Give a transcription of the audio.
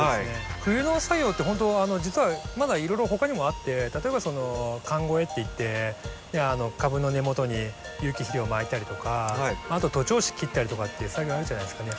冬の作業ってほんと実はまだいろいろほかにもあって例えば寒肥っていって株の根元に有機肥料をまいたりとか徒長枝切ったりとかっていう作業あるじゃないですかね。